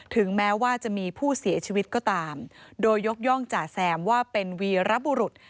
ถึงแม้ว่าจะมีผู้เสียชีวิตก็ตามโดยยกย่องจ่าแซมว่าเป็นวีรบุรุษ